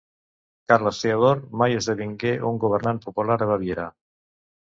Carles Teodor mai esdevingué un governant popular a Baviera.